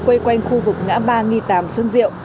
quây quanh khu vực ngã ba nghi tàm xuân diệu